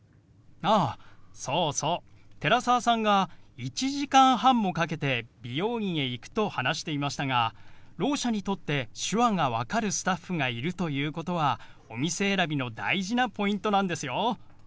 ああそうそう寺澤さんが１時間半もかけて美容院へ行くと話していましたがろう者にとって手話が分かるスタッフがいるということはお店選びの大事なポイントなんですよ。